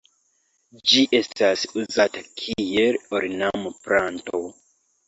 Ĝi estas uzata kiel ornamplanto.